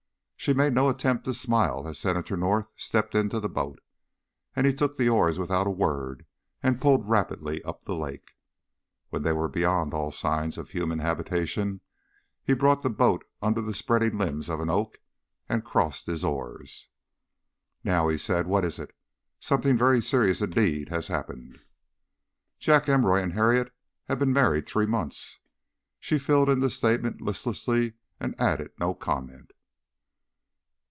She made no attempt to smile as Senator North stepped into the boat, and he took the oars without a word and pulled rapidly up the lake. When they were beyond all signs of human habitation, he brought the boat under the spreading limbs of an oak and crossed his oars. "Now," he said, "what is it? Something very serious indeed has happened." "Jack Emory and Harriet have been married three months." She filled in the statement listlessly and added no comment.